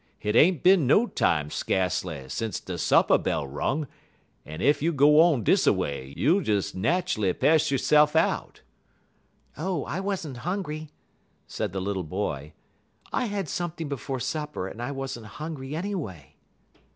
Hit ain't bin no time, skacely, sence de supper bell rung, en ef you go on dis a way, you'll des nat'ally pe'sh yo'se'f out." "Oh, I wasn't hungry," said the little boy. "I had something before supper, and I wasn't hungry anyway."